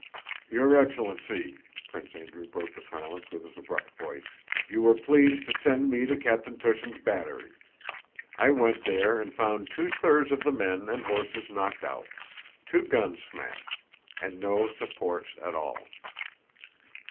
"Your excellency!" Prince Andrew broke the silence with his abrupt voice, "you were pleased to send me to Captain Túshin's battery. I went there and found two thirds of the men and horses knocked out, two guns smashed, and no supports at all."